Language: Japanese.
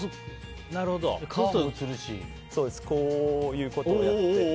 こういうこともやって。